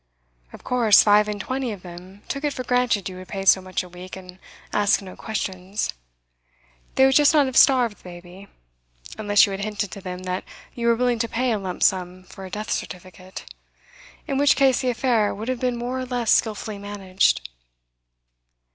'Of course five and twenty of them took it for granted you would pay so much a week and ask no questions. They would just not have starved the baby, unless you had hinted to them that you were willing to pay a lump sum for a death certificate, in which case the affair would have been more or less skilfully managed.